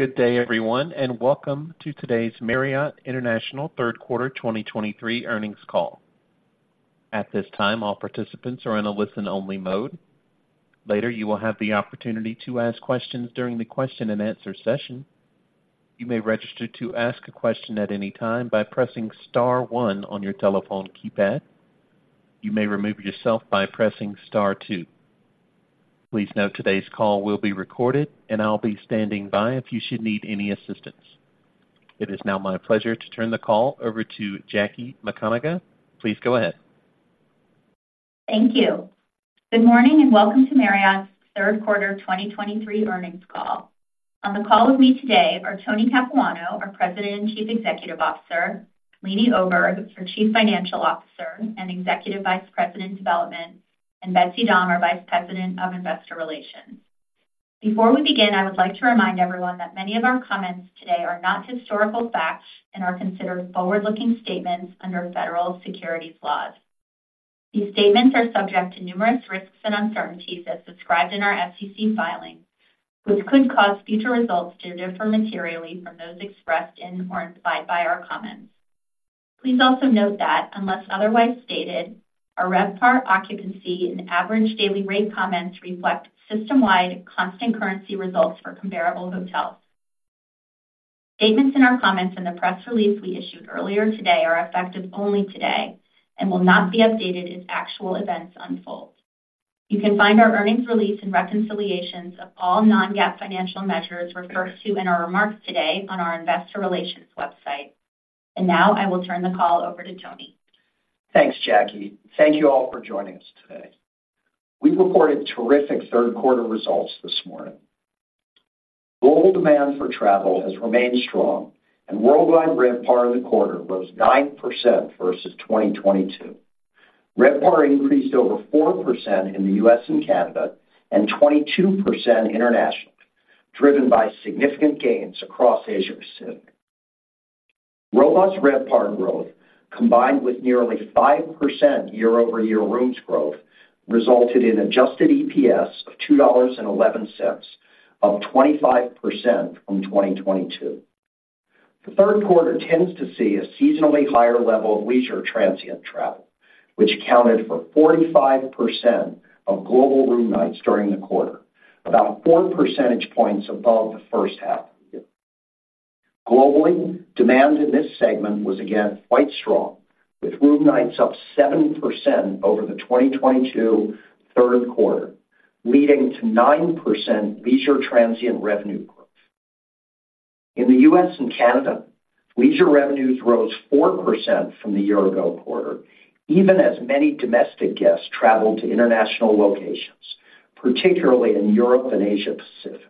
Good day, everyone, and welcome to today's Marriott International Third Quarter 2023 earnings call. At this time, all participants are in a listen-only mode. Later, you will have the opportunity to ask questions during the question-and-answer session. You may register to ask a question at any time by pressing star one on your telephone keypad. You may remove yourself by pressing star two. Please note, today's call will be recorded, and I'll be standing by if you should need any assistance. It is now my pleasure to turn the call over to Jackie McConagha. Please go ahead. Thank you. Good morning, and welcome to Marriott's third quarter 2023 earnings call. On the call with me today are Tony Capuano, our President and Chief Executive Officer, Leeny Oberg, our Chief Financial Officer and Executive Vice President, Development, and Betsy Dahm, our Vice President of Investor Relations. Before we begin, I would like to remind everyone that many of our comments today are not historical facts and are considered forward-looking statements under federal securities laws. These statements are subject to numerous risks and uncertainties as described in our SEC filings, which could cause future results to differ materially from those expressed in or implied by our comments. Please also note that unless otherwise stated, our RevPAR occupancy and average daily rate comments reflect system-wide constant currency results for comparable hotels. Statements in our comments in the press release we issued earlier today are effective only today and will not be updated as actual events unfold. You can find our earnings release and reconciliations of all non-GAAP financial measures referred to in our remarks today on our investor relations website. Now I will turn the call over to Tony. Thanks, Jackie. Thank you all for joining us today. We reported terrific third quarter results this morning. Global demand for travel has remained strong, and worldwide RevPAR in the quarter rose 9% versus 2022. RevPAR increased over 4% in the U.S. and Canada, and 22% internationally, driven by significant gains across Asia Pacific. Robust RevPAR growth, combined with nearly 5% year-over-year rooms growth, resulted in adjusted EPS of $2.11, up 25% from 2022. The third quarter tends to see a seasonally higher level of leisure transient travel, which accounted for 45% of global room nights during the quarter, about four percentage points above the first half of the year. Globally, demand in this segment was again quite strong, with room nights up 7% over the 2022 third quarter, leading to 9% leisure transient revenue growth. In the U.S. and Canada, leisure revenues rose 4% from the year-ago quarter, even as many domestic guests traveled to international locations, particularly in Europe and Asia Pacific.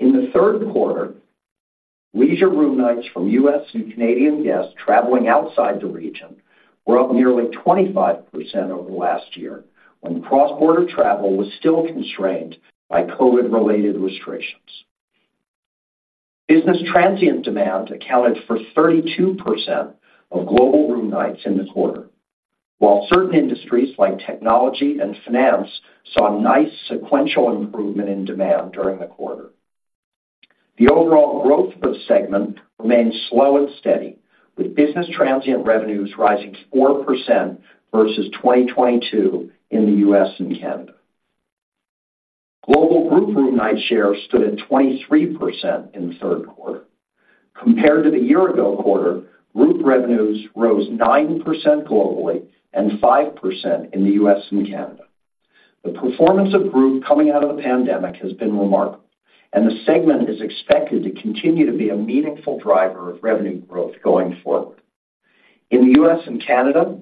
In the third quarter, leisure room nights from U.S. and Canadian guests traveling outside the region were up nearly 25% over last year, when cross-border travel was still constrained by COVID-related restrictions. Business transient demand accounted for 32% of global room nights in the quarter, while certain industries like technology and finance saw a nice sequential improvement in demand during the quarter. The overall growth for the segment remained slow and steady, with business transient revenues rising 4% versus 2022 in the U.S. and Canada. Global group room night share stood at 23% in the third quarter. Compared to the year-ago quarter, group revenues rose 9% globally and 5% in the U.S. and Canada. The performance of group coming out of the pandemic has been remarkable, and the segment is expected to continue to be a meaningful driver of revenue growth going forward. In the U.S. and Canada,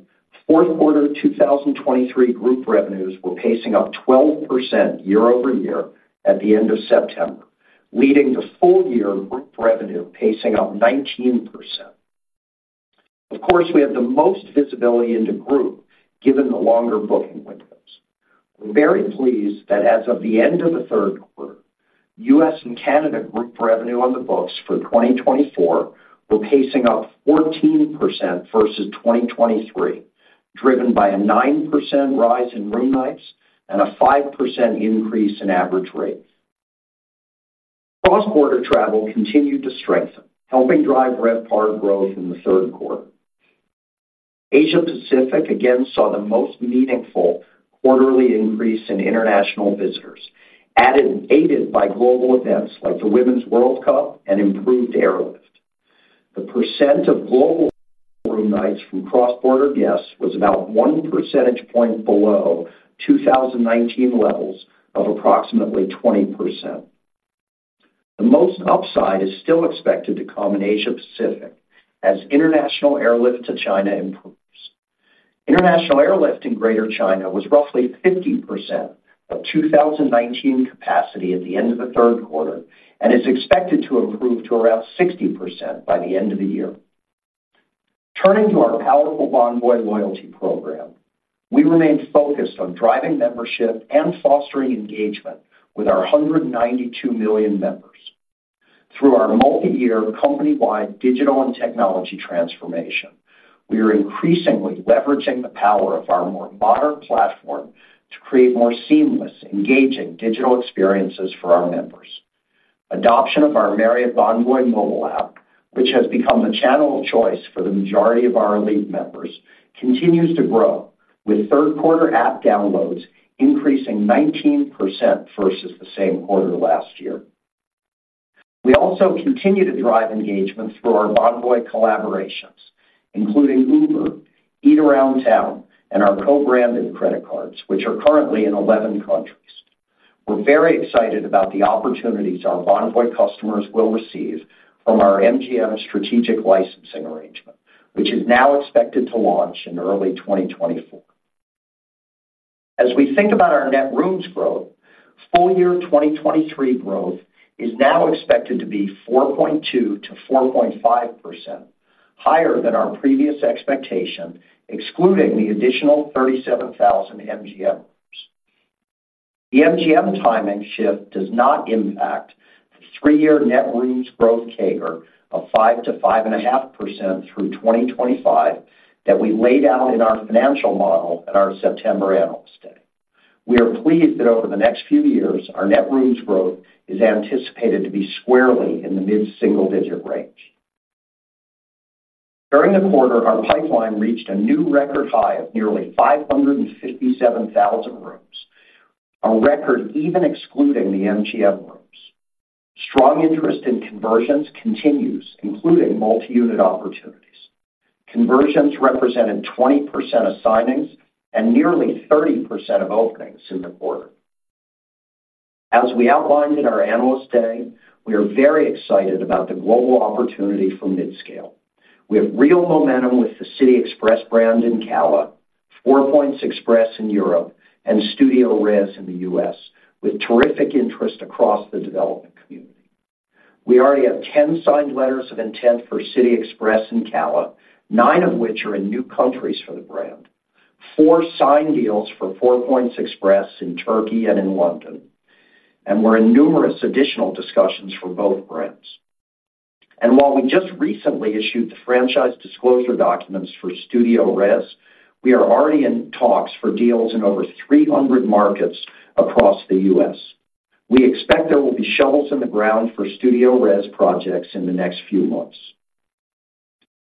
fourth quarter 2023 group revenues were pacing up 12% year-over-year at the end of September, leading to full year group revenue pacing up 19%. Of course, we have the most visibility into group, given the longer booking windows. We're very pleased that as of the end of the third quarter, U.S. and Canada group revenue on the books for 2024 were pacing up 14% versus 2023, driven by a 9% rise in room nights and a 5% increase in average rate. Cross-border travel continued to strengthen, helping drive RevPAR growth in the third quarter. Asia Pacific again saw the most meaningful quarterly increase in international visitors, aided by global events like the Women's World Cup and improved airlift. The percent of global room nights from cross-border guests was about one percentage point below 2019 levels of approximately 20%. The most upside is still expected to come in Asia Pacific as international airlift to China improves. International airlift in Greater China was roughly 50% of 2019 capacity at the end of the third quarter and is expected to improve to around 60% by the end of the year. Turning to our powerful Bonvoy loyalty program, we remain focused on driving membership and fostering engagement with our 192 million members through our multi-year company-wide digital and technology transformation. We are increasingly leveraging the power of our more modern platform to create more seamless, engaging digital experiences for our members. Adoption of our Marriott Bonvoy mobile app, which has become the channel of choice for the majority of our elite members, continues to grow, with third quarter app downloads increasing 19% versus the same quarter last year. We also continue to drive engagement through our Bonvoy collaborations, including Uber, Eat Around Town, and our co-branded credit cards, which are currently in 11 countries. We're very excited about the opportunities our Bonvoy customers will receive from our MGM strategic licensing arrangement, which is now expected to launch in early 2024. As we think about our net rooms growth, full year 2023 growth is now expected to be 4.2%-4.5%, higher than our previous expectation, excluding the additional 37,000 MGM rooms. The MGM timing shift does not impact the three-year net rooms growth CAGR of 5%-5.5% through 2025 that we laid out in our financial model at our September Analyst Day. We are pleased that over the next few years, our net rooms growth is anticipated to be squarely in the mid-single digit range. During the quarter, our pipeline reached a new record high of nearly 557,000 rooms, a record even excluding the MGM rooms. Strong interest in conversions continues, including multi-unit opportunities. Conversions represented 20% of signings and nearly 30% of openings in the quarter. As we outlined in our Analyst Day, we are very excited about the global opportunity for midscale. We have real momentum with the City Express brand in CALA, Four Points Express in Europe, and StudioRes in the US, with terrific interest across the development community. We already have 10 signed letters of intent for City Express in CALA, nine of which are in new countries for the brand, four signed deals for Four Points Express in Turkey and in London, and we're in numerous additional discussions for both brands. While we just recently issued the franchise disclosure documents for StudioRes, we are already in talks for deals in over 300 markets across the US. We expect there will be shovels in the ground for StudioRes projects in the next few months.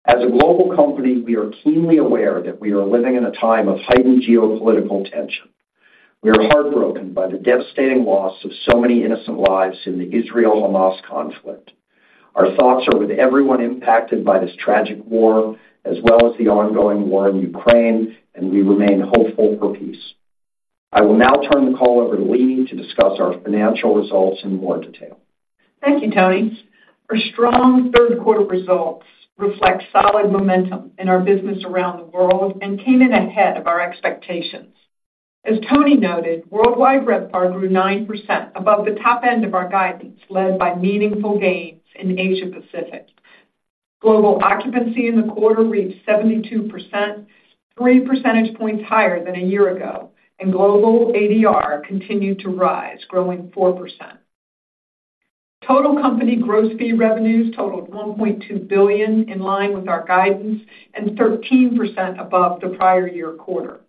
As a global company, we are keenly aware that we are living in a time of heightened geopolitical tension. We are heartbroken by the devastating loss of so many innocent lives in the Israel-Hamas conflict. Our thoughts are with everyone impacted by this tragic war, as well as the ongoing war in Ukraine, and we remain hopeful for peace. I will now turn the call over to Leeny to discuss our financial results in more detail. Thank you, Tony. Our strong third quarter results reflect solid momentum in our business around the world and came in ahead of our expectations. As Tony noted, worldwide RevPAR grew 9% above the top end of our guidance, led by meaningful gains in Asia Pacific. Global occupancy in the quarter reached 72%, three percentage points higher than a year ago, and global ADR continued to rise, growing 4%. Total company gross fee revenues totaled $1.2 billion, in line with our guidance, and 13% above the prior year quarter.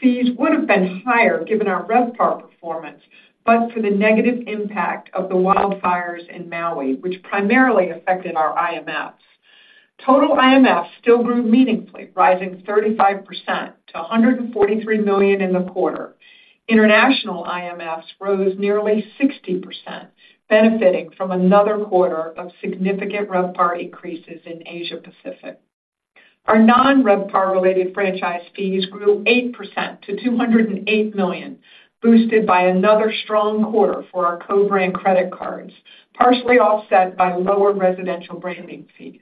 Fees would have been higher, given our RevPAR performance, but for the negative impact of the wildfires in Maui, which primarily affected our IMFs. Total IMFs still grew meaningfully, rising 35% to $143 million in the quarter. International IMFs rose nearly 60%, benefiting from another quarter of significant RevPAR increases in Asia Pacific. Our non-RevPAR-related franchise fees grew 8% to $208 million, boosted by another strong quarter for our co-brand credit cards, partially offset by lower residential branding fees.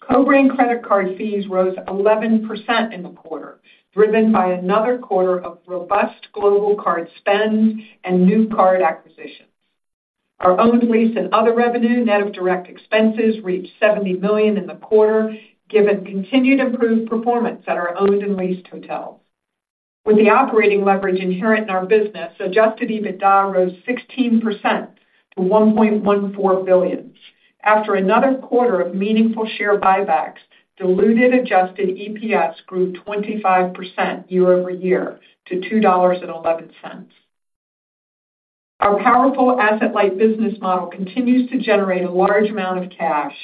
Co-brand credit card fees rose 11% in the quarter, driven by another quarter of robust global card spend and new card acquisitions. Our owned lease and other revenue, net of direct expenses, reached $70 million in the quarter, given continued improved performance at our owned and leased hotels. With the operating leverage inherent in our business, adjusted EBITDA rose 16% to $1.14 billion. After another quarter of meaningful share buybacks, diluted adjusted EPS grew 25% year-over-year to $2.11. Our powerful asset-light business model continues to generate a large amount of cash,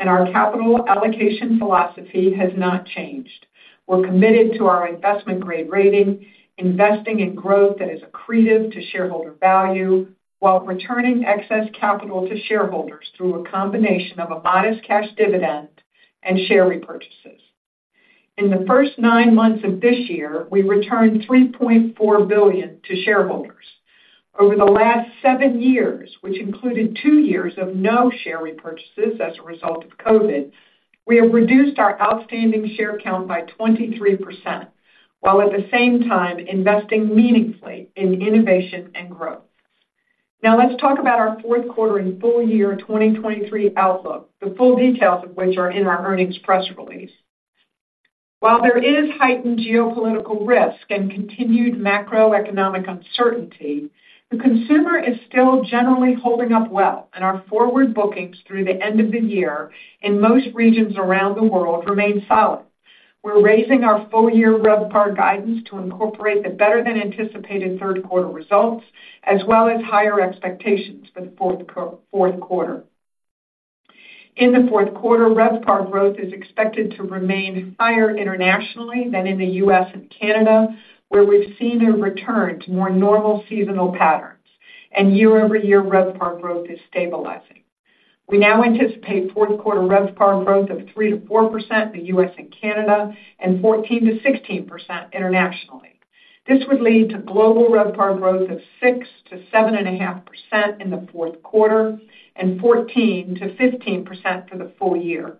and our capital allocation philosophy has not changed. We're committed to our investment-grade rating, investing in growth that is accretive to shareholder value, while returning excess capital to shareholders through a combination of a modest cash dividend and share repurchases. In the first nine months of this year, we returned $3.4 billion to shareholders. Over the last seven years, which included two years of no share repurchases as a result of COVID, we have reduced our outstanding share count by 23%, while at the same time investing meaningfully in innovation and growth. Now, let's talk about our fourth quarter and full year 2023 outlook, the full details of which are in our earnings press release. While there is heightened geopolitical risk and continued macroeconomic uncertainty, the consumer is still generally holding up well, and our forward bookings through the end of the year in most regions around the world remain solid. We're raising our full-year RevPAR guidance to incorporate the better-than-anticipated third quarter results, as well as higher expectations for the fourth quarter. In the fourth quarter, RevPAR growth is expected to remain higher internationally than in the U.S. and Canada, where we've seen a return to more normal seasonal patterns, and year-over-year RevPAR growth is stabilizing. We now anticipate fourth quarter RevPAR growth of 3%-4% in the U.S. and Canada, and 14%-16% internationally. This would lead to global RevPAR growth of 6%-7.5% in the fourth quarter and 14%-15% for the full year.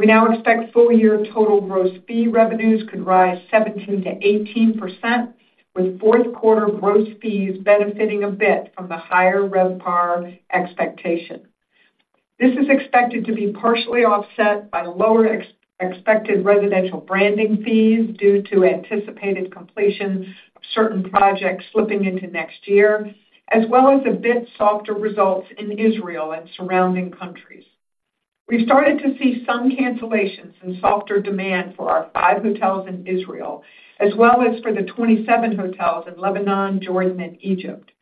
We now expect full-year total Gross Fee Revenues could rise 17%-18%, with fourth quarter gross fees benefiting a bit from the higher RevPAR expectation. This is expected to be partially offset by lower than expected residential branding fees due to anticipated completion of certain projects slipping into next year, as well as a bit softer results in Israel and surrounding countries. We've started to see some cancellations and softer demand for our five hotels in Israel, as well as for the 27 hotels in Lebanon, Jordan, and Egypt.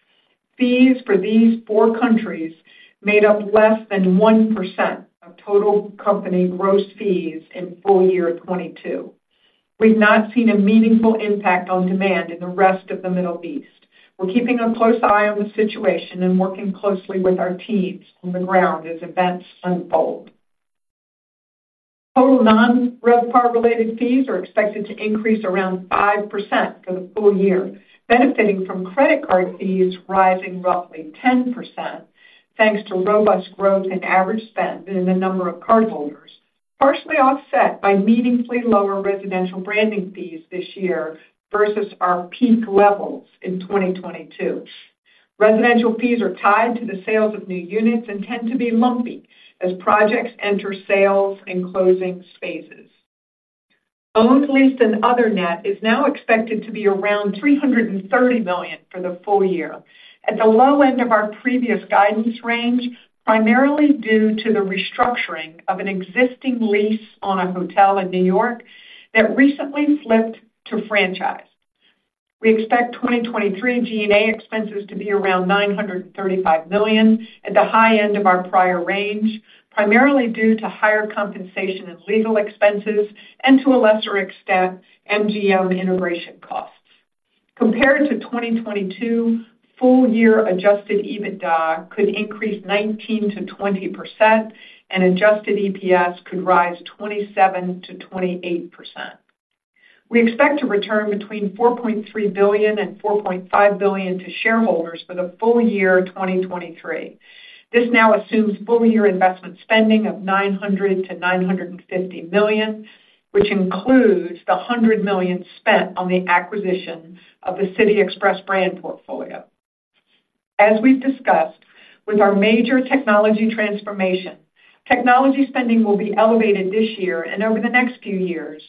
Fees for these four countries made up less than 1% of total company gross fees in full year 2022. We've not seen a meaningful impact on demand in the rest of the Middle East. We're keeping a close eye on the situation and working closely with our teams on the ground as events unfold. Total non-RevPAR-related fees are expected to increase around 5% for the full year, benefiting from credit card fees rising roughly 10%, thanks to robust growth in average spend in the number of cardholders, partially offset by meaningfully lower residential branding fees this year versus our peak levels in 2022. Residential fees are tied to the sales of new units and tend to be lumpy as projects enter sales and closing spaces. Owned, leased, and other net is now expected to be around $330 million for the full year, at the low end of our previous guidance range, primarily due to the restructuring of an existing lease on a hotel in New York that recently flipped to franchise. We expect 2023 G&A expenses to be around $935 million, at the high end of our prior range, primarily due to higher compensation and legal expenses and, to a lesser extent, MGM integration costs. Compared to 2022, full-year adjusted EBITDA could increase 19%-20%, and adjusted EPS could rise 27%-28%. We expect to return between $4.3 billion and $4.5 billion to shareholders for the full year 2023. This now assumes full-year investment spending of $900 million-$950 million, which includes the $100 million spent on the acquisition of the City Express brand portfolio. As we've discussed, with our major technology transformation, technology spending will be elevated this year and over the next few years,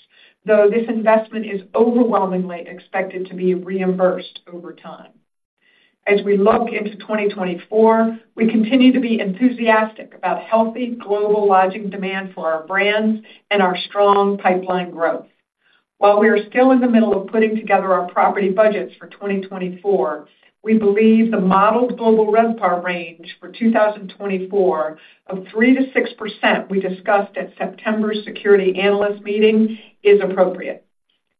though this investment is overwhelmingly expected to be reimbursed over time. As we look into 2024, we continue to be enthusiastic about healthy global lodging demand for our brands and our strong pipeline growth. While we are still in the middle of putting together our property budgets for 2024, we believe the modeled global RevPAR range for 2024 of 3%-6% we discussed at September's Securities Analyst Meeting is appropriate.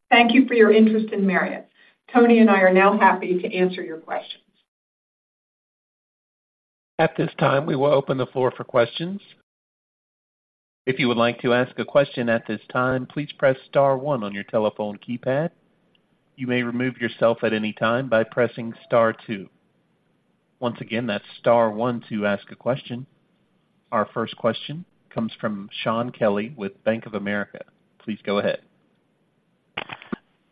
Thank you for your interest in Marriott. Tony and I are now happy to answer your questions. At this time, we will open the floor for questions. If you would like to ask a question at this time, please press star one on your telephone keypad. You may remove yourself at any time by pressing star two. Once again, that's star one to ask a question. Our first question comes from Shaun Kelley with Bank of America. Please go ahead.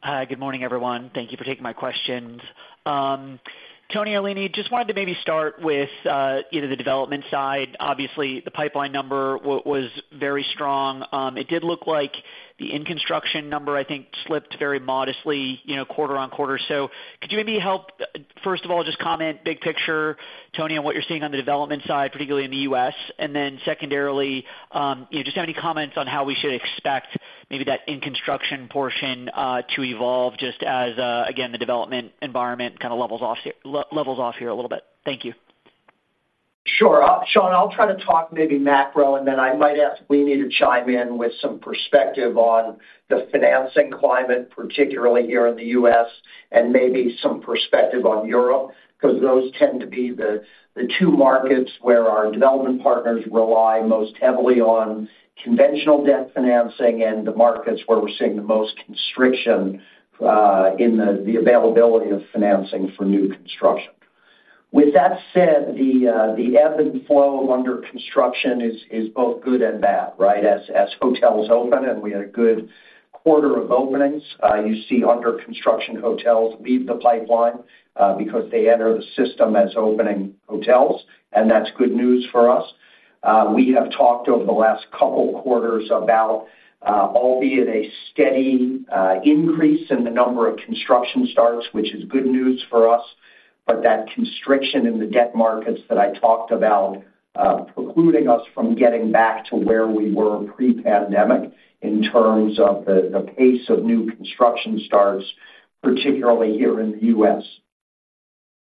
Hi, good morning, everyone. Thank you for taking my questions. Tony and Leeny, just wanted to maybe start with, you know, the development side. Obviously, the pipeline number was very strong. It did look like the in-construction number, I think, slipped very modestly, you know, quarter-over-quarter. So could you maybe help, first of all, just comment, big picture, Tony, on what you're seeing on the development side, particularly in the U.S.? And then secondarily, you know, just have any comments on how we should expect maybe that in-construction portion to evolve just as, again, the development environment kind of levels off here a little bit? Thank you. Sure. Shaun, I'll try to talk maybe macro, and then I might ask Leeny to chime in with some perspective on the financing climate, particularly here in the U.S., and maybe some perspective on Europe, 'cause those tend to be the two markets where our development partners rely most heavily on conventional debt financing and the markets where we're seeing the most constriction in the availability of financing for new construction. With that said, the ebb and flow under construction is both good and bad, right? As hotels open, and we had a good quarter of openings, you see under construction hotels leave the pipeline, because they enter the system as opening hotels, and that's good news for us. We have talked over the last couple quarters about albeit a steady increase in the number of construction starts, which is good news for us, but that constriction in the debt markets that I talked about precluding us from getting back to where we were pre-pandemic in terms of the pace of new construction starts, particularly here in the U.S.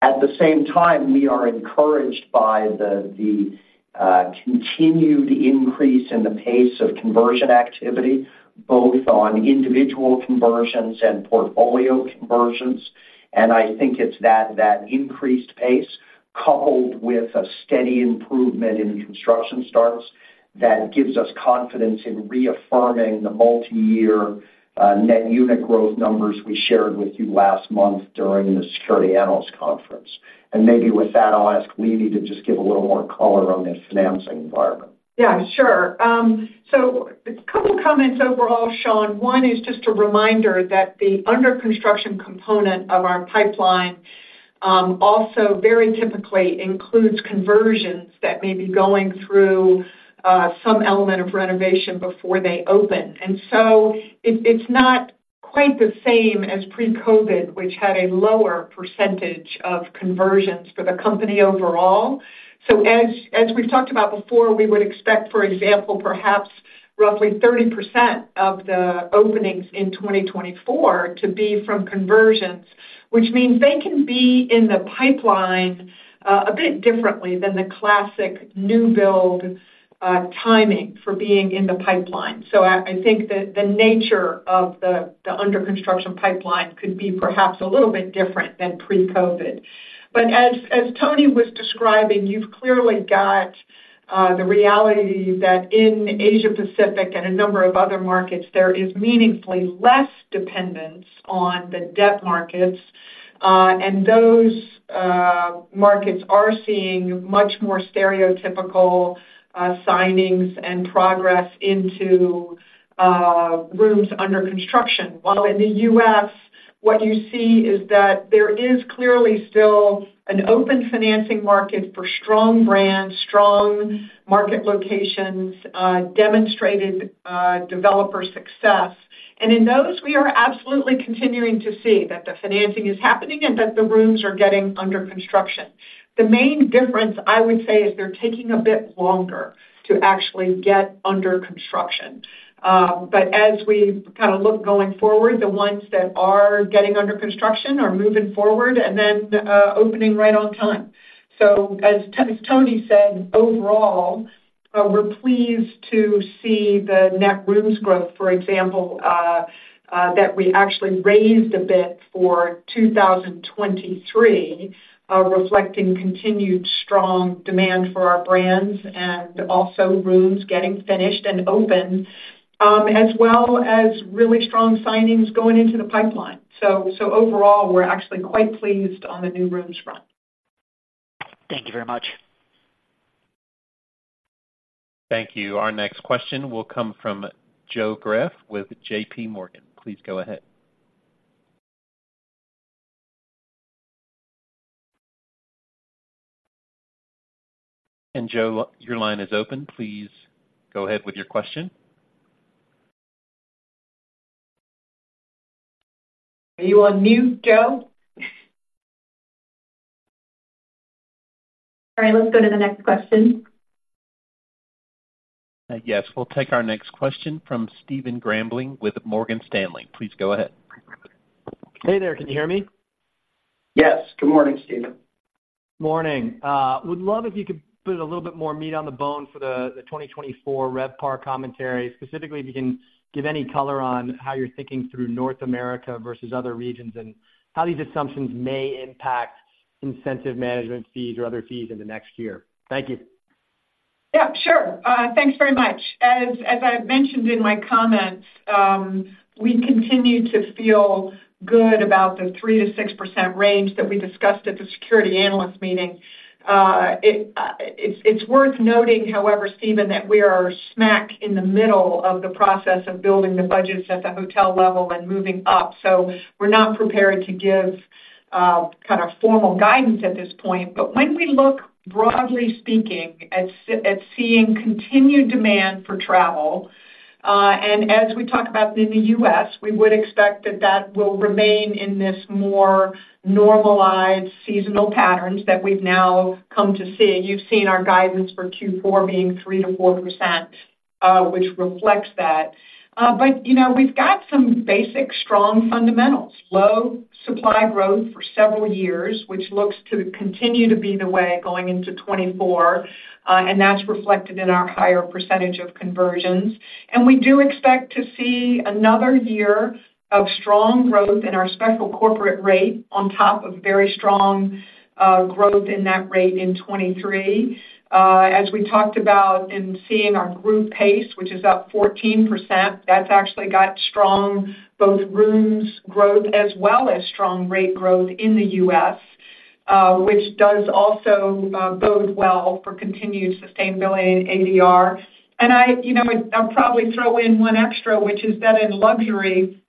At the same time, we are encouraged by the continued increase in the pace of conversion activity, both on individual conversions and portfolio conversions. I think it's that, that increased pace, coupled with a steady improvement in construction starts, that gives us confidence in reaffirming the multiyear net unit growth numbers we shared with you last month during the Securities Analyst Conference. Maybe with that, I'll ask Leeny to just give a little more color on the financing environment. Yeah, sure. So a couple comments overall, Shaun. One is just a reminder that the under construction component of our pipeline also very typically includes conversions that may be going through some element of renovation before they open. And so it's not quite the same as pre-COVID, which had a lower percentage of conversions for the company overall. So as we've talked about before, we would expect, for example, perhaps roughly 30% of the openings in 2024 to be from conversions, which means they can be in the pipeline a bit differently than the classic new build timing for being in the pipeline. So I think the nature of the under construction pipeline could be perhaps a little bit different than pre-COVID. But as Tony was describing, you've clearly got the reality that in Asia Pacific and a number of other markets, there is meaningfully less dependence on the debt markets. And those markets are seeing much more stereotypical signings and progress into rooms under construction. While in the U.S., what you see is that there is clearly still an open financing market for strong brands, strong market locations, demonstrated developer success. And in those, we are absolutely continuing to see that the financing is happening and that the rooms are getting under construction. The main difference, I would say, is they're taking a bit longer to actually get under construction. But as we kind of look going forward, the ones that are getting under construction are moving forward and then opening right on time. So as Tony said, overall, we're pleased to see the net rooms growth, for example, that we actually raised a bit for 2023, reflecting continued strong demand for our brands and also rooms getting finished and open, as well as really strong signings going into the pipeline. So, so overall, we're actually quite pleased on the new rooms front. Thank you very much. Thank you. Our next question will come from Joe Greff with JPMorgan. Please go ahead. And Joe, your line is open. Please go ahead with your question. Are you on mute, Joe? All right, let's go to the next question. Yes, we'll take our next question from Stephen Grambling, with Morgan Stanley. Please go ahead. Hey there, can you hear me? Yes. Good morning, Stephen. Morning. Would love if you could put a little bit more meat on the bone for the 2024 RevPAR commentary. Specifically, if you can give any color on how you're thinking through North America versus other regions, and how these assumptions may impact incentive management fees or other fees in the next year. Thank you. Yeah, sure. Thanks very much. As I mentioned in my comments, we continue to feel good about the 3%-6% range that we discussed at the security analyst meeting. It's worth noting, however, Stephen, that we are smack in the middle of the process of building the budgets at the hotel level and moving up. So we're not prepared to give kind of formal guidance at this point. But when we look, broadly speaking, at seeing continued demand for travel, and as we talk about in the U.S., we would expect that that will remain in this more normalized seasonal patterns that we've now come to see. You've seen our guidance for Q4 being 3%-4%, which reflects that. But, you know, we've got some basic strong fundamentals, low supply growth for several years, which looks to continue to be the way going into 2024, and that's reflected in our higher percentage of conversions. And we do expect to see another year of strong growth in our special corporate rate on top of very strong growth in that rate in 2023. As we talked about in seeing our group pace, which is up 14%, that's actually got strong, both rooms growth as well as strong rate growth in the U.S., which does also bode well for continued sustainability in ADR. I, you know, I'll probably throw in one extra, which is that in luxury,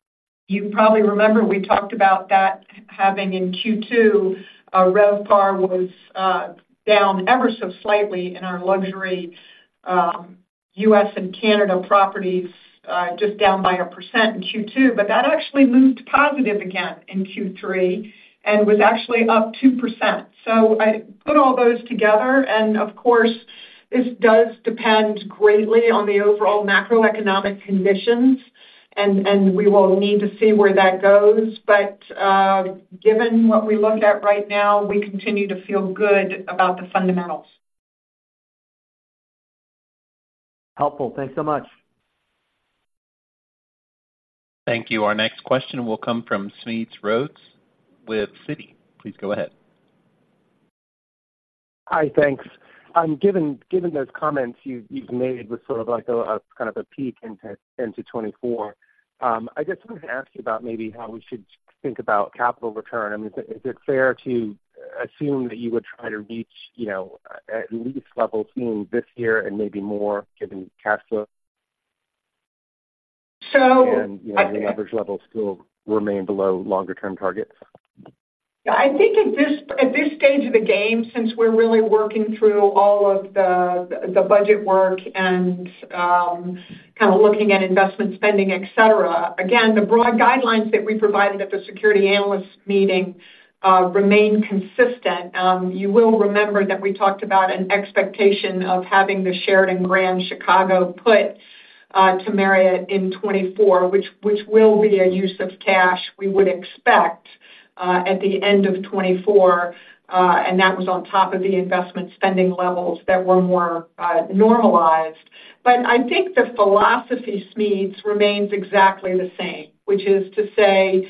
you probably remember we talked about that having in Q2, our RevPAR was down ever so slightly in our luxury U.S. and Canada properties, just down by 1% in Q2. But that actually moved positive again in Q3 and was actually up 2%. So I put all those together, and of course, this does depend greatly on the overall macroeconomic conditions, and we will need to see where that goes. But given what we look at right now, we continue to feel good about the fundamentals. Helpful. Thanks so much. Thank you. Our next question will come from Smedes Rose with Citi. Please go ahead. Hi, thanks. Given those comments you've made with sort of like kind of a peak into 2024, I just wanted to ask you about maybe how we should think about capital return. I mean, is it fair to assume that you would try to reach, you know, at least levels seen this year and maybe more, given cash flow? So, You know, the average levels still remain below longer-term targets. I think at this stage of the game, since we're really working through all of the budget work and kind of looking at investment spending, et cetera, again, the broad guidelines that we provided at the securities analyst meeting remain consistent. You will remember that we talked about an expectation of having the Sheraton Grand Chicago put to Marriott in 2024, which will be a use of cash we would expect at the end of 2024, and that was on top of the investment spending levels that were more normalized. But I think the philosophy, Smedes, remains exactly the same, which is to say,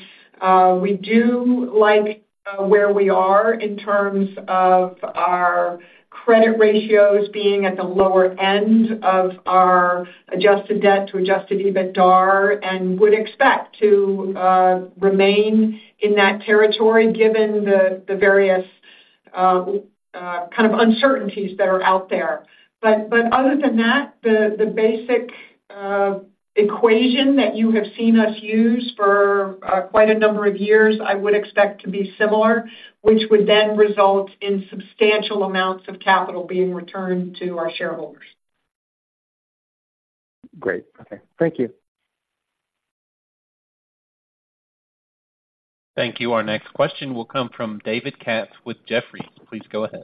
we do like where we are in terms of our credit ratios being at the lower end of our adjusted debt to adjusted EBITDAR, and would expect to remain in that territory, given the various kind of uncertainties that are out there. But other than that, the basic equation that you have seen us use for quite a number of years, I would expect to be similar, which would then result in substantial amounts of capital being returned to our shareholders. Great. Okay. Thank you. Thank you. Our next question will come from David Katz with Jefferies. Please go ahead.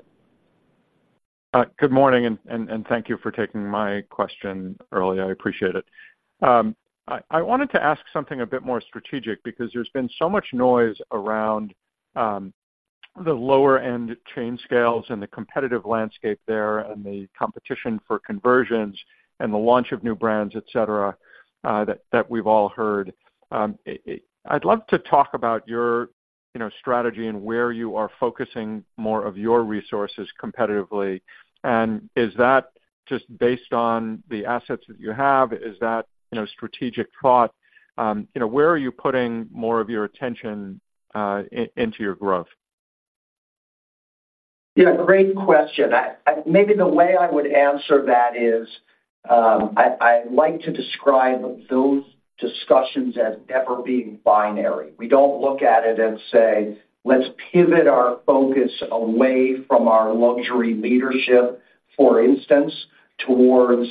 Good morning, and thank you for taking my question early. I appreciate it. I wanted to ask something a bit more strategic because there's been so much noise around the lower-end chain scales and the competitive landscape there, and the competition for conversions and the launch of new brands, et cetera, that we've all heard. I'd love to talk about your, you know, strategy and where you are focusing more of your resources competitively. And is that just based on the assets that you have? Is that, you know, strategic thought? You know, where are you putting more of your attention into your growth? Yeah, great question. I maybe the way I would answer that is, I like to describe those discussions as never being binary. We don't look at it and say: Let's pivot our focus away from our luxury leadership, for instance, towards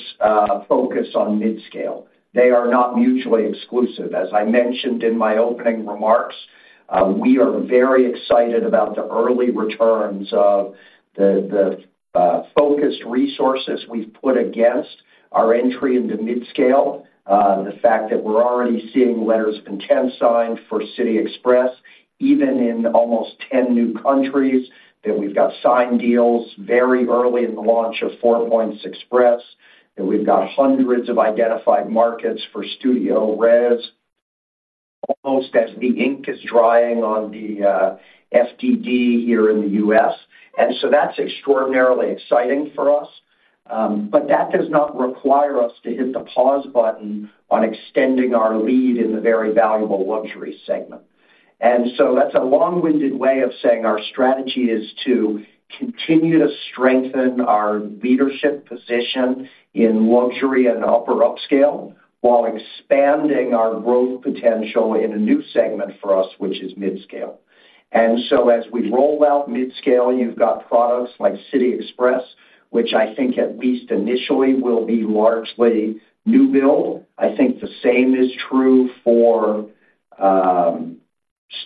focus on midscale. They are not mutually exclusive. As I mentioned in my opening remarks, we are very excited about the early returns of the focused resources we've put against our entry into midscale. The fact that we're already seeing letters of intent signed for City Express, even in almost 10 new countries, that we've got signed deals very early in the launch of Four Points Express, that we've got hundreds of identified markets for StudioRes, almost as the ink is drying on the FDD here in the U.S. And so that's extraordinarily exciting for us, but that does not require us to hit the pause button on extending our lead in the very valuable luxury segment. And so that's a long-winded way of saying our strategy is to continue to strengthen our leadership position in luxury and upper upscale, while expanding our growth potential in a new segment for us, which is midscale. And so as we roll out midscale, you've got products like City Express, which I think at least initially, will be largely new build. I think the same is true for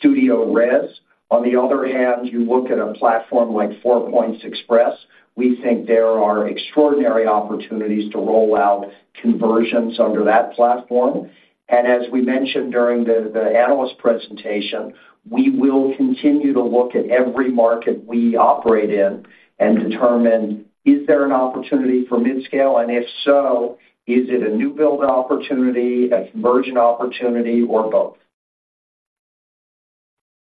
StudioRes. On the other hand, you look at a platform like Four Points Express, we think there are extraordinary opportunities to roll out conversions under that platform. As we mentioned during the analyst presentation, we will continue to look at every market we operate in and determine, is there an opportunity for midscale? And if so, is it a new build opportunity, a conversion opportunity, or both?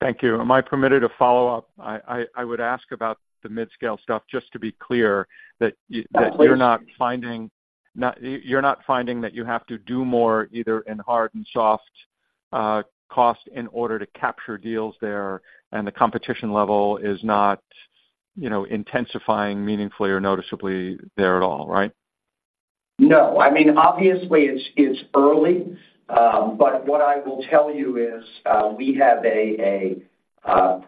Thank you. Am I permitted to follow up? I would ask about the midscale stuff, just to be clear, that you're not finding that you have to do more, either in hard and soft costs in order to capture deals there, and the competition level is not, you know, intensifying meaningfully or noticeably there at all, right? No. I mean, obviously, it's early. But what I will tell you is, we have a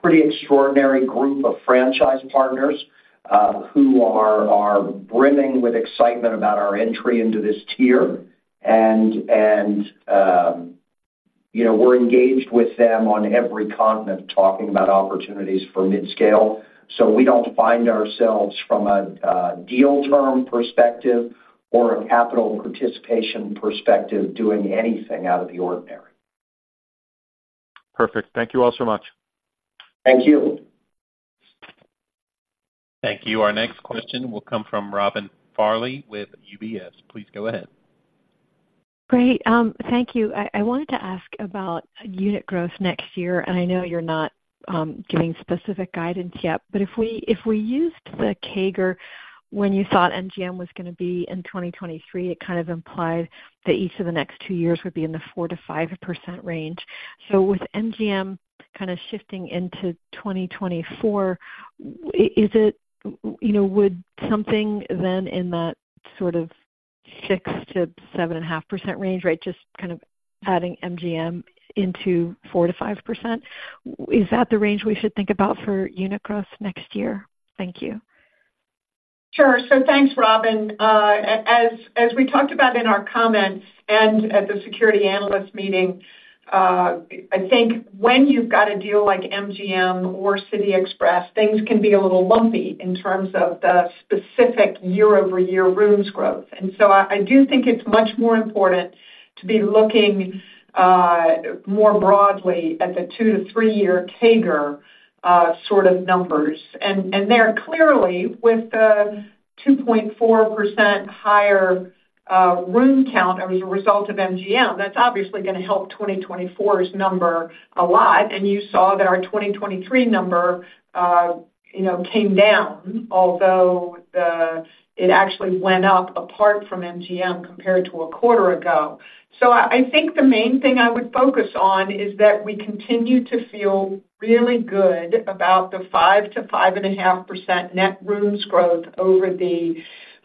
pretty extraordinary group of franchise partners who are brimming with excitement about our entry into this tier. And, you know, we're engaged with them on every continent, talking about opportunities for midscale. So we don't find ourselves from a deal term perspective or a capital participation perspective, doing anything out of the ordinary. Perfect. Thank you all so much. Thank you. Thank you. Our next question will come from Robin Farley with UBS. Please go ahead. Great, thank you. I wanted to ask about unit growth next year, and I know you're not giving specific guidance yet. But if we used the CAGR when you thought MGM was gonna be in 2023, it kind of implied that each of the next two years would be in the 4%-5% range. So with MGM kind of shifting into 2024, is it, you know, would something then in that sort of 6%-7.5% range, right? Just kind of adding MGM into 4%-5%, is that the range we should think about for unit growth next year? Thank you. Sure. So thanks, Robin. As we talked about in our comments and at the securities analyst meeting, I think when you've got a deal like MGM or City Express, things can be a little lumpy in terms of the specific year-over-year rooms growth. And so I do think it's much more important to be looking more broadly at the two to three-year CAGR sort of numbers. And there, clearly, with the 2.4% higher room count as a result of MGM, that's obviously gonna help 2024's number a lot. And you saw that our 2023 number, you know, came down, although it actually went up apart from MGM, compared to a quarter ago. So I, I think the main thing I would focus on is that we continue to feel really good about the 5%-5.5% net rooms growth over the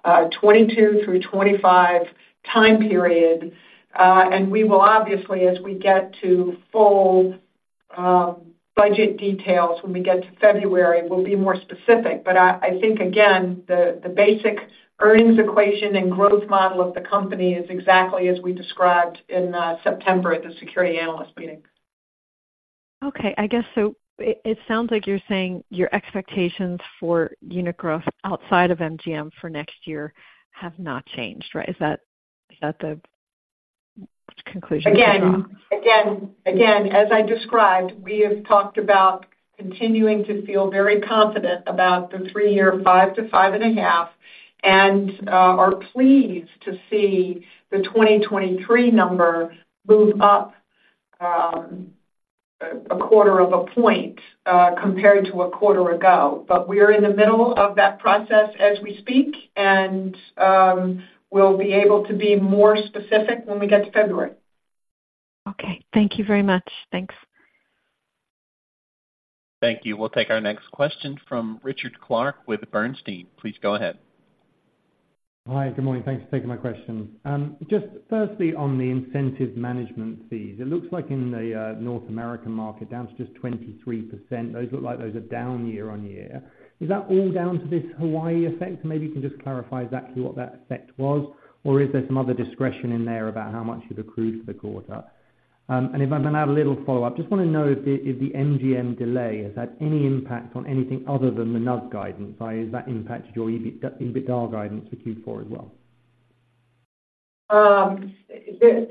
2022 through 2025 time period. And we will, obviously, as we get to full budget details when we get to February, we'll be more specific. But I, I think, again, the basic earnings equation and growth model of the company is exactly as we described in September at the security analyst meeting. Okay, I guess so it sounds like you're saying your expectations for unit growth outside of MGM for next year have not changed, right? Is that, is that the conclusion to draw? Again, again, again, as I described, we have talked about continuing to feel very confident about the three-year 5-5.5, and are pleased to see the 2023 number move up 0.25 of a point compared to a quarter ago. But we're in the middle of that process as we speak, and we'll be able to be more specific when we get to February. Okay. Thank you very much. Thanks. Thank you. We'll take our next question from Richard Clarke with Bernstein. Please go ahead. Hi, good morning. Thanks for taking my question. Just firstly, on the incentive management fees, it looks like in the North American market, down to just 23%, those look like those are down year-over-year. Is that all down to this Hawaii effect? Maybe you can just clarify exactly what that effect was, or is there some other discretion in there about how much you've accrued for the quarter? And if I can add a little follow-up, just want to know if the MGM delay has that any impact on anything other than the NUG guidance, has that impacted your EBITDA guidance for Q4 as well?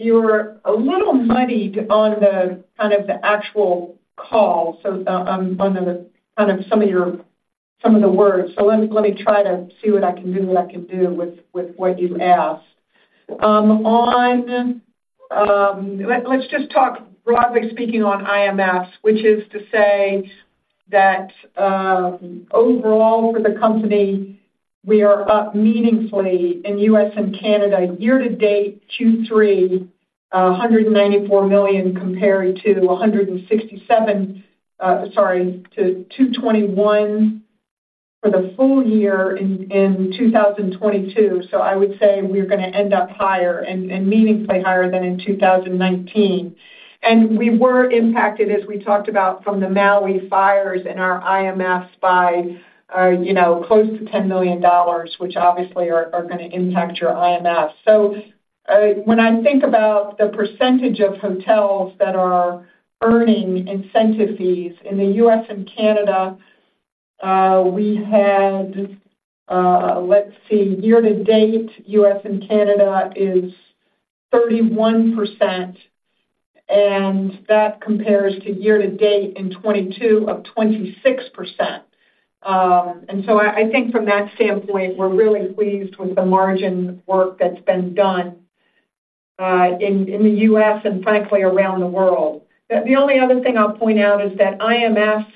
You're a little muddied on the, kind of, the actual call, so, on the, kind of, some of the words, so let me try to see what I can do with what you asked. Let's just talk broadly speaking on IMFs, which is to say that, overall for the company, we are up meaningfully in U.S. and Canada, year to date, 2023, $194 million compared to $167 million, sorry, to $221 million for the full year in 2022. So I would say we're gonna end up higher and meaningfully higher than in 2019. We were impacted, as we talked about, from the Maui fires in our IMFs by, you know, close to $10 million, which obviously are, are gonna impact your IMFs. So, when I think about the percentage of hotels that are earning incentive fees in the U.S. and Canada, we had, let's see, year to date, U.S. and Canada is 31%, and that compares to year to date in 2022 of 26%. And so I, I think from that standpoint, we're really pleased with the margin work that's been done, in, in the U.S. and frankly, around the world. The, the only other thing I'll point out is that IMFs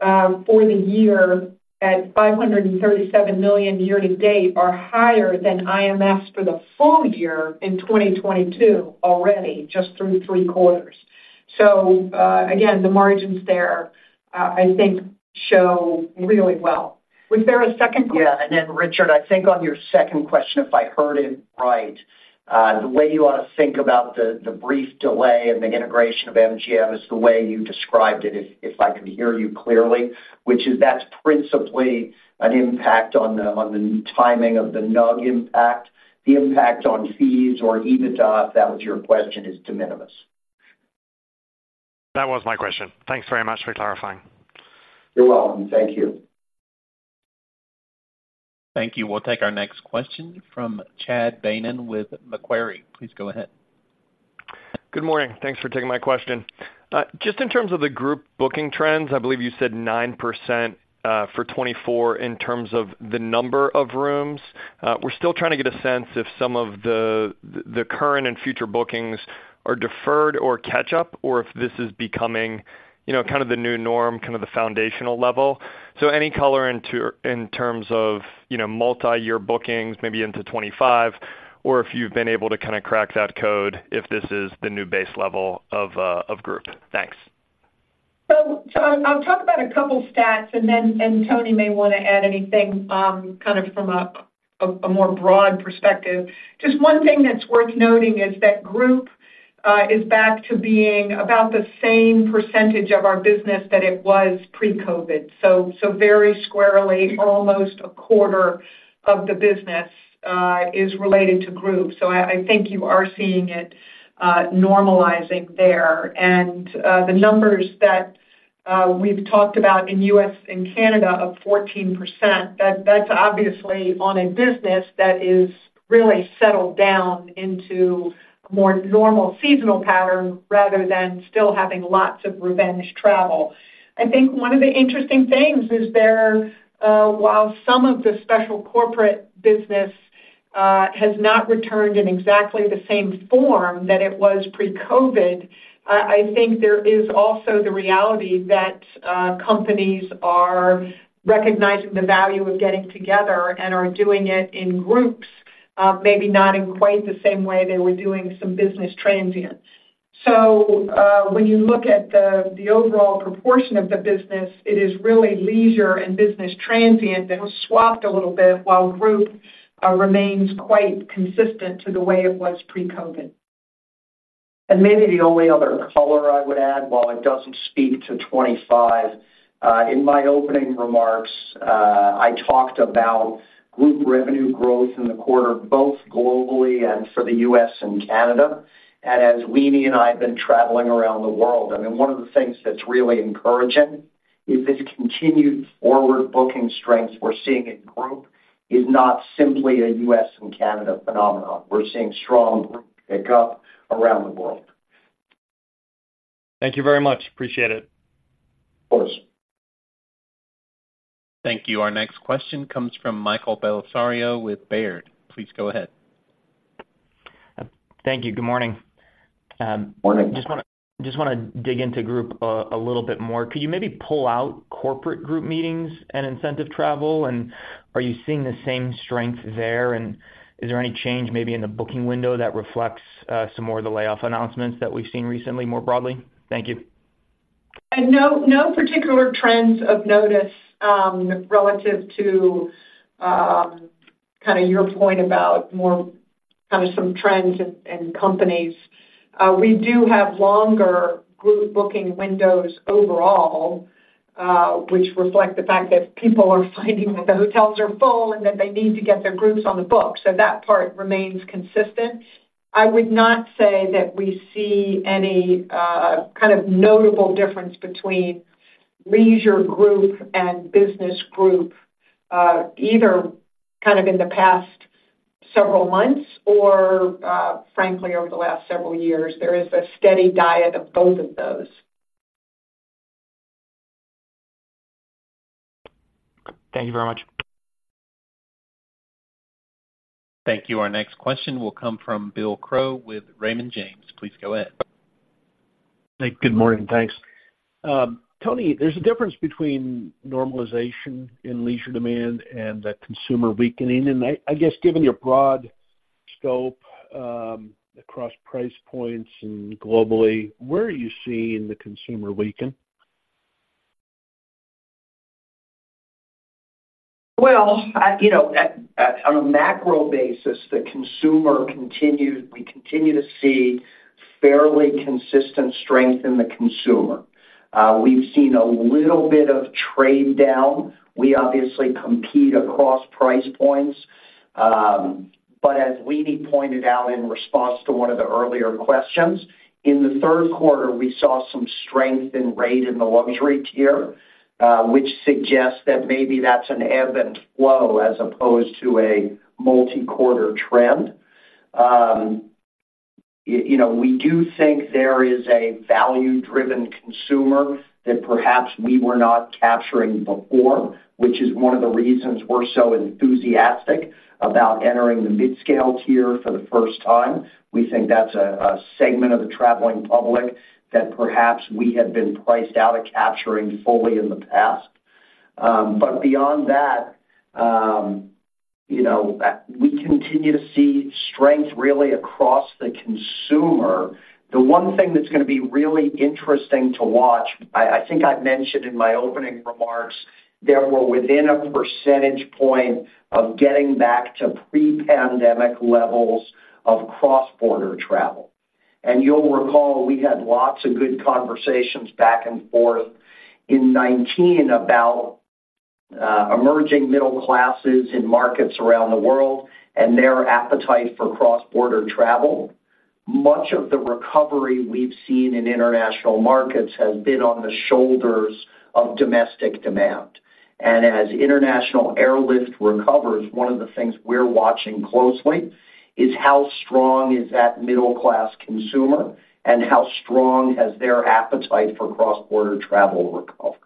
for the year at $537 million year to date are higher than IMS for the full year in 2022 already, just through three quarters. So, again, the margins there, I think show really well. Was there a second question? Yeah, and then, Richard, I think on your second question, if I heard it right, the way you want to think about the, the brief delay in the integration of MGM is the way you described it, if, if I could hear you clearly, which is that's principally an impact on the, on the timing of the NUG impact. The impact on fees or EBITDA, if that was your question, is de minimis. That was my question. Thanks very much for clarifying. You're welcome. Thank you. Thank you. We'll take our next question from Chad Beynon with Macquarie. Please go ahead. Good morning. Thanks for taking my question. Just in terms of the group booking trends, I believe you said 9% for 2024 in terms of the number of rooms. We're still trying to get a sense if some of the current and future bookings are deferred or catch up, or if this is becoming, you know, kind of the new norm, kind of the foundational level. So any color in terms of, you know, multi-year bookings, maybe into 2025, or if you've been able to kind of crack that code, if this is the new base level of group. Thanks. So I'll talk about a couple stats, and then Tony may want to add anything kind of from a more broad perspective. Just one thing that's worth noting is that group is back to being about the same percentage of our business that it was pre-COVID. So very squarely, almost a quarter of the business is related to group. So I think you are seeing it normalizing there. And the numbers that we've talked about in U.S. and Canada of 14%, that's obviously on a business that is really settled down into a more normal seasonal pattern rather than still having lots of revenge travel. I think one of the interesting things is there, while some of the special corporate business has not returned in exactly the same form that it was pre-COVID, I think there is also the reality that companies are recognizing the value of getting together and are doing it in groups, maybe not in quite the same way they were doing some business transient. So, when you look at the overall proportion of the business, it is really leisure and business transient that have swapped a little bit, while group remains quite consistent to the way it was pre-COVID. Maybe the only other color I would add, while it doesn't speak to 25, in my opening remarks, I talked about group revenue growth in the quarter, both globally and for the U.S. and Canada. And as Leeny and I have been traveling around the world, I mean, one of the things that's really encouraging is this continued forward booking strength we're seeing in group is not simply a U.S. and Canada phenomenon. We're seeing strong pickup around the world. Thank you very much. Appreciate it. Of course. Thank you. Our next question comes from Michael Bellisario with Baird. Please go ahead. Thank you. Good morning. Morning. Just wanna, just wanna dig into group a little bit more. Could you maybe pull out corporate group meetings and incentive travel? And are you seeing the same strength there, and is there any change maybe in the booking window that reflects some more of the layoff announcements that we've seen recently, more broadly? Thank you. No, no particular trends of notice, relative to, kind of your point about more kind of some trends and, and companies. We do have longer group booking windows overall, which reflect the fact that people are finding that the hotels are full and that they need to get their groups on the book. So that part remains consistent. I would not say that we see any, kind of notable difference between leisure group and business group, either kind of in the past several months or, frankly, over the last several years. There is a steady diet of both of those. Thank you very much. Thank you. Our next question will come from Bill Crow with Raymond James. Please go ahead. Hey, good morning, thanks. Tony, there's a difference between normalization in leisure demand and the consumer weakening. And I guess, given your broad scope, across price points and globally, where are you seeing the consumer weaken? Well, you know, on a macro basis, the consumer continues. We continue to see fairly consistent strength in the consumer. We've seen a little bit of trade down. We obviously compete across price points, but as Leeny pointed out in response to one of the earlier questions, in the third quarter, we saw some strength in rate in the luxury tier, which suggests that maybe that's an ebb and flow as opposed to a multi-quarter trend. You know, we do think there is a value-driven consumer that perhaps we were not capturing before, which is one of the reasons we're so enthusiastic about entering the mid-scale tier for the first time. We think that's a segment of the traveling public that perhaps we had been priced out of capturing fully in the past. But beyond that, you know, we continue to see strength really across the consumer. The one thing that's going to be really interesting to watch, I think I've mentioned in my opening remarks, that we're within a percentage point of getting back to pre-pandemic levels of cross-border travel. And you'll recall, we had lots of good conversations back and forth in 2019 about emerging middle classes in markets around the world and their appetite for cross-border travel. Much of the recovery we've seen in international markets has been on the shoulders of domestic demand. And as international airlift recovers, one of the things we're watching closely is how strong is that middle-class consumer and how strong has their appetite for cross-border travel recovered?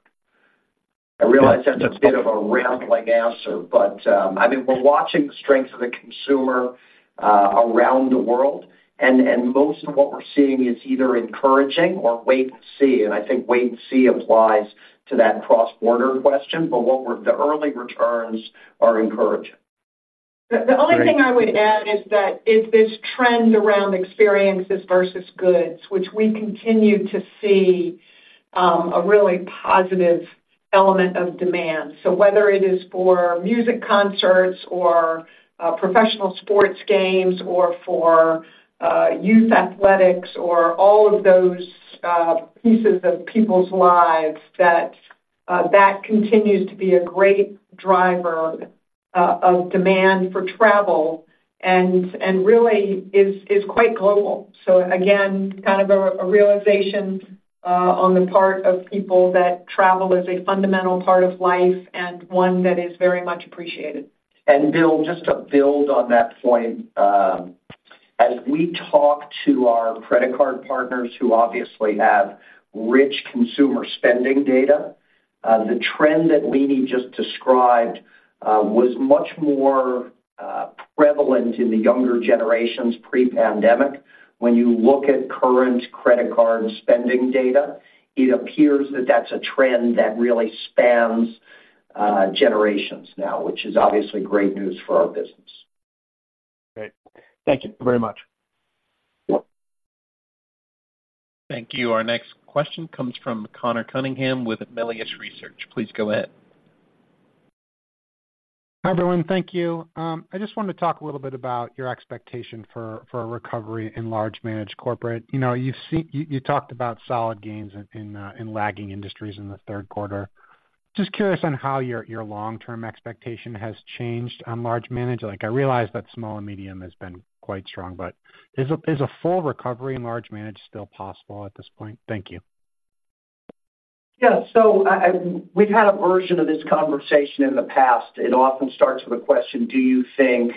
I realize that's a bit of a ramp-like answer, but I mean, we're watching the strength of the consumer around the world, and most of what we're seeing is either encouraging or wait and see. I think wait and see applies to that cross-border question, but what we're, the early returns are encouraging. The only thing I would add is this trend around experiences versus goods, which we continue to see, a really positive element of demand. So whether it is for music concerts or professional sports games, or for youth athletics, or all of those pieces of people's lives, that that continues to be a great driver of demand for travel and really is quite global. So again, kind of a realization on the part of people that travel is a fundamental part of life and one that is very much appreciated. And Bill, just to build on that point, as we talk to our credit card partners, who obviously have rich consumer spending data, the trend that Leeny just described was much more prevalent in the younger generations pre-pandemic. When you look at current credit card spending data, it appears that that's a trend that really spans generations now, which is obviously great news for our business. Great. Thank you very much. Thank you. Our next question comes from Conor Cunningham with Melius Research. Please go ahead. Hi, everyone. Thank you. I just wanted to talk a little bit about your expectation for a recovery in large managed corporate. You know, you've seen, you talked about solid gains in lagging industries in the third quarter. Just curious on how your long-term expectation has changed on large managed. Like, I realize that small and medium has been quite strong, but is a full recovery in large managed still possible at this point? Thank you. Yeah. So we've had a version of this conversation in the past. It often starts with a question: Do you think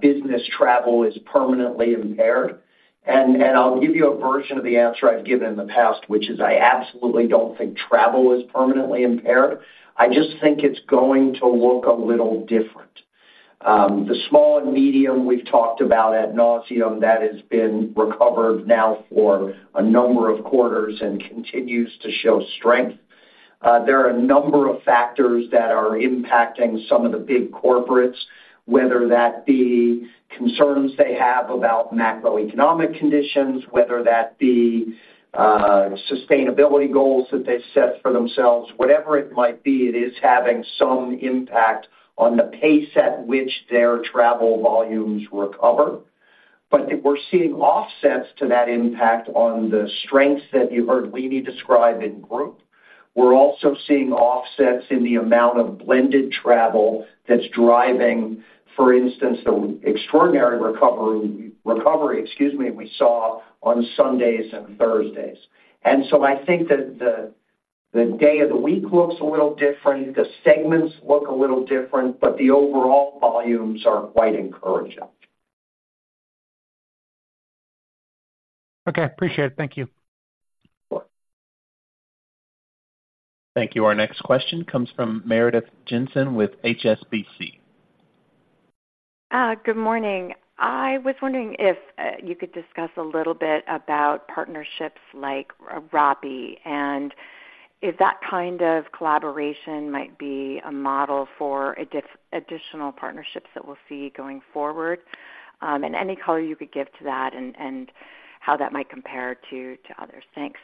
business travel is permanently impaired? And I'll give you a version of the answer I've given in the past, which is I absolutely don't think travel is permanently impaired. I just think it's going to look a little different. The small and medium, we've talked about ad nauseam, that has been recovered now for a number of quarters and continues to show strength. There are a number of factors that are impacting some of the big corporates, whether that be concerns they have about macroeconomic conditions, whether that be sustainability goals that they've set for themselves, whatever it might be, it is having some impact on the pace at which their travel volumes recover. But we're seeing offsets to that impact on the strengths that you heard Leeny describe in group. We're also seeing offsets in the amount of blended travel that's driving, for instance, the extraordinary recovery, excuse me, we saw on Sundays and Thursdays. And so I think that the day of the week looks a little different, the segments look a little different, but the overall volumes are quite encouraging. Okay, appreciate it. Thank you. Thank you. Our next question comes from Meredith Jensen with HSBC. Good morning. I was wondering if you could discuss a little bit about partnerships like Rappi, and if that kind of collaboration might be a model for additional partnerships that we'll see going forward, and any color you could give to that and how that might compare to others. Thanks.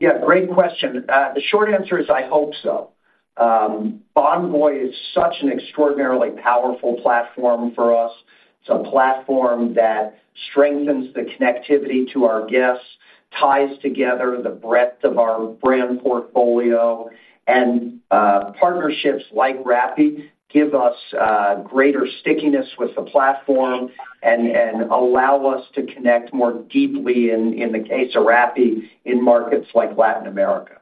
Yeah, great question. The short answer is I hope so. Bonvoy is such an extraordinarily powerful platform for us. It's a platform that strengthens the connectivity to our guests, ties together the breadth of our brand portfolio, and partnerships like Rappi give us greater stickiness with the platform and allow us to connect more deeply in the case of Rappi in markets like Latin America.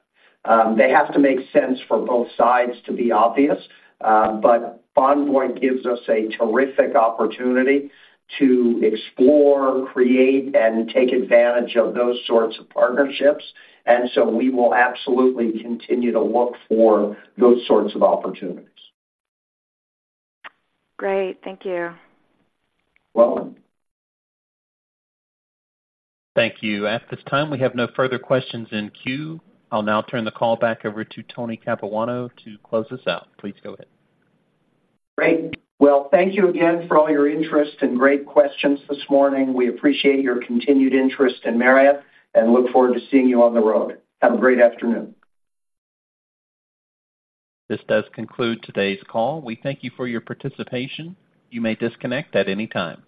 They have to make sense for both sides to be obvious, but Bonvoy gives us a terrific opportunity to explore, create, and take advantage of those sorts of partnerships, and so we will absolutely continue to look for those sorts of opportunities. Great. Thank you. Welcome. Thank you. At this time, we have no further questions in queue. I'll now turn the call back over to Tony Capuano to close us out. Please go ahead. Great. Well, thank you again for all your interest and great questions this morning. We appreciate your continued interest in Marriott and look forward to seeing you on the road. Have a great afternoon. This does conclude today's call. We thank you for your participation. You may disconnect at any time.